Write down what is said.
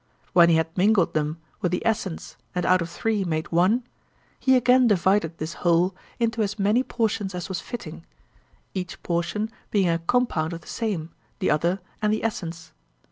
When he had mingled them with the essence and out of three made one, he again divided this whole into as many portions as was fitting, each portion being a compound of the same, the other, and the essence.